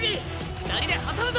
２人で挟むぞ！